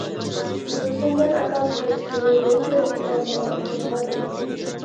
تۇرسۇنجان ئاكام قايسى كۈنى دۆڭكۆۋرۈكتە ماڭا ئۇچرىغان ئىدى.